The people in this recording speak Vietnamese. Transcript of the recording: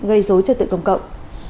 xấu cho tự công cộng